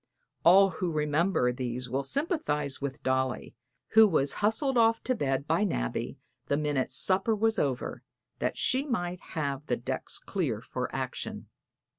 All who remember these will sympathize with Dolly, who was hustled off to bed by Nabby the minute supper was over, that she might have the decks clear for action.